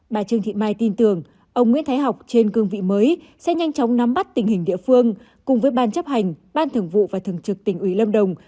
bà trương thị mai tin tưởng ông nguyễn thái học trên cương vị mới sẽ nhanh chóng nắm bắt tình hình địa phương cùng với ban chấp hành ban thường vụ và thường trực tỉnh ủy lâm đồng